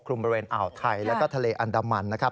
บริเวณอ่าวไทยแล้วก็ทะเลอันดามันนะครับ